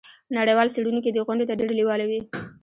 نړیوال څیړونکي دې غونډې ته ډیر لیواله وي.